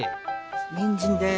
にんじんです。